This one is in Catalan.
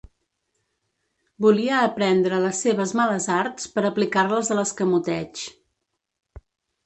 Volia aprendre les seves males arts per aplicar-les a l'escamoteig.